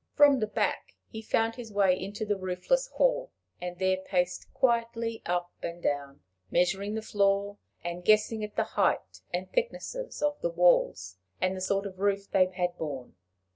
From the back he found his way into the roofless hall, and there paced quietly up and down, measuring the floor, and guessing at the height and thickness of the walls, and the sort of roof they had borne.